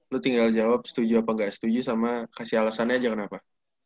lu tinggal jawab setuju apa nggak setuju sama kasih alasannya aja kenapa